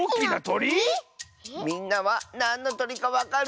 みんなはなんのとりかわかる？